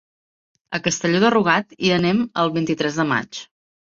A Castelló de Rugat hi anem el vint-i-tres de maig.